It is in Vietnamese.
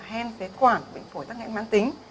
hèn phế quảng bệnh phổi tắc nghẽn mãn tính